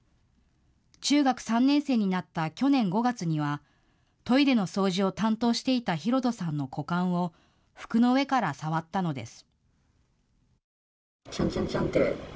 中学３年生になった去年５月にはトイレの掃除を担当していたヒロトさんの股間を服の上から触ったのです。